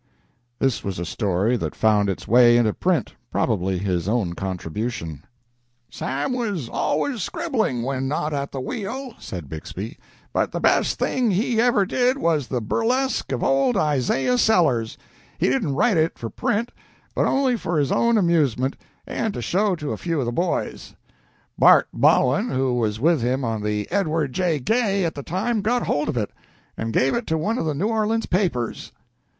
This was a story that found its way into print, probably his own contribution. "Sam was always scribbling when not at the wheel," said Bixby, "but the best thing he ever did was the burlesque of old Isaiah Sellers. He didn't write it for print, but only for his own amusement and to show to a few of the boys. Bart Bowen, who was with him on the "Edward J. Gay" at the time, got hold of it, and gave it to one of the New Orleans papers."